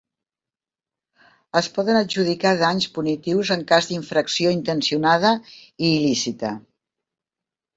Es poden adjudicar danys punitius en cas d'infracció intencionada i il·lícita.